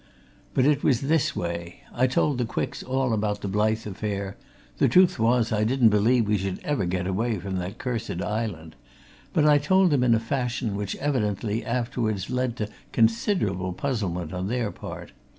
But it was this way I told the Quicks all about the Blyth affair the truth was, I didn't believe we should ever get away from that cursed island but I told them in a fashion which, evidently, afterwards led to considerable puzzlement on their part.